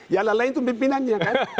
yang lain lain itu pimpinannya